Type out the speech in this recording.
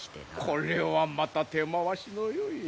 これはまた手回しのよい。